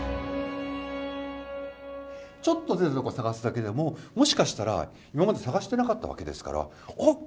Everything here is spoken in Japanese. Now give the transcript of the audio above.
ちょっとずれたとこを探すだけでももしかしたら今まで探してなかったわけですからあっ！